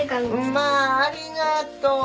まあありがとう！